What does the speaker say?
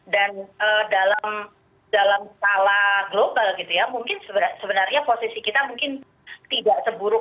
dan dalam salah global gitu ya mungkin sebenarnya posisi kita mungkin tidak seburuk